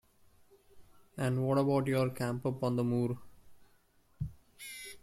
And what about your camp up on the moor?